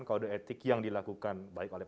kode etik yang dilakukan baik oleh